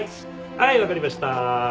はい分かりました。